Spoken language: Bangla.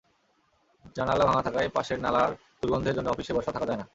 জানালা ভাঙা থাকায় পাশের নালার দুর্গন্ধের জন্য অফিসে বসা থাকা যায় না।